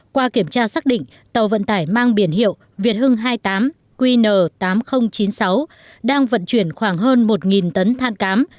qua kiểm tra xác định tàu vận tải mang biển hiệu việt hưng hai mươi tám qn tám nghìn chín mươi sáu đang vận chuyển khoảng hơn một tấn than cám